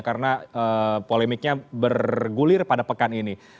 karena polemiknya bergulir pada pekan ini